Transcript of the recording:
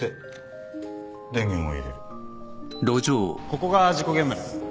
ここが事故現場です。